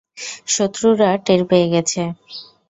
শত্রুরা টের পেয়ে গেছে।